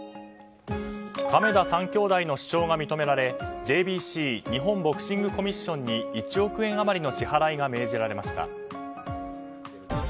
亀田３兄弟の主張が認められＪＢＣ・日本ボクシングコミッションに１億円余りの支払いが命じられました。